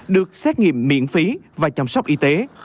được xét nghiệm miễn phí và chăm sóc y tế